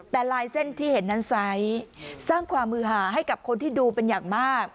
แต่ลายเส้นที่เห็นนั้นไซส์สร้างความมือหาให้กับคนที่ดูเป็นอย่างมาก